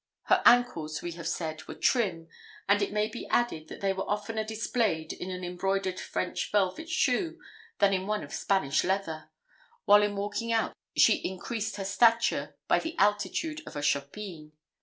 Her ankles we have said were trim; and it may be added that they were oftener displayed in an embroidered French velvet shoe than in one of Spanish leather; while in walking out she increased her stature "by the altitude of a chopine."